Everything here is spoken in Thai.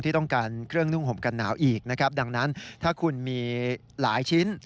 ที่ต้องการเครื่องนุ่งห่มกันหนาวอีกนะครับดังนั้นถ้าคุณมีหลายชิ้น